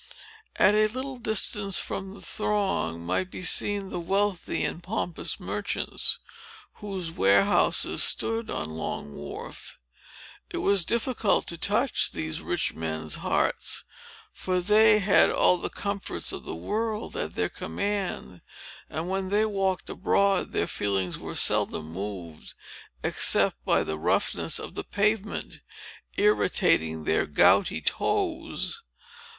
At a little distance from the throng, might be seen the wealthy and pompous merchants, whose warehouses stood on Long Wharf. It was difficult to touch these rich men's hearts; for they had all the comforts of the world at their command; and when they walked abroad, their feelings were seldom moved, except by the roughness of the pavement, irritating their gouty toes.